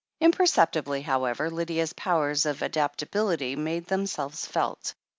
Imperceptibly, however, Lydia's powers of adapta bility made themselves felt.